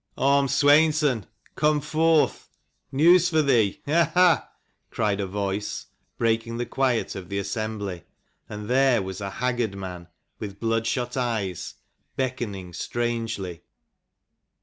"Orm Sweinson, come forth. News for thee : ha ! ha !" cried a voice, breaking the quiet of the assembly : and there was a haggard man with bloodshot eyes, beckoning strangely.